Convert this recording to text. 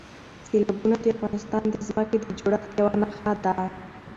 سیلابونه د افغانستان د ځمکې د جوړښت یوه نښه ده.